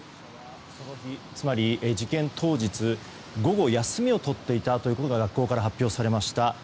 事件当日、午後休みを取っていたということが学校から発表されました。